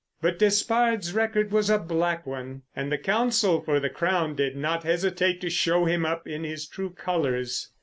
But Despard's record was a black one, and the Counsel for the Crown did not hesitate to show him up in his true colours.